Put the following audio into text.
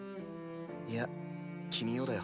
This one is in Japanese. いや君をだよ。